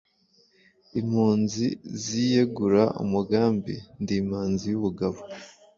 Impunzi ziyegura umugambi ndi imanzi y,ubugabo